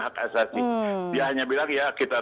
hak asasi dia hanya bilang ya kita